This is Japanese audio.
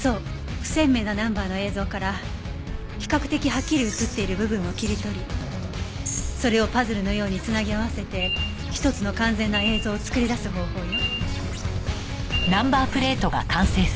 不鮮明なナンバーの映像から比較的はっきり映っている部分を切り取りそれをパズルのように繋ぎ合わせて１つの完全な映像を作り出す方法よ。